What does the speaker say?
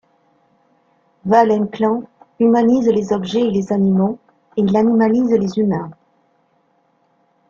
Valle-Inclán humanise les objets et les animaux, et il animalise les humains.